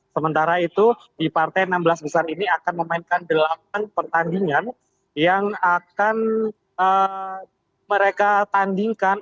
sementara itu di partai enam belas besar ini akan memainkan delapan pertandingan yang akan mereka tandingkan